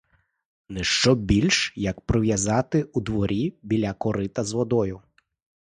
Не що більш, як прив'язати у дворі, біля корита з водою.